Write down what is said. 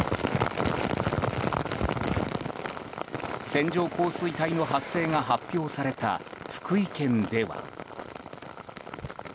線状降水帯の発生が発表された福井県では。